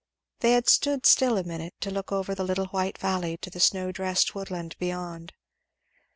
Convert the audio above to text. They had stood still a minute to look over the little white valley to the snow dressed woodland beyond.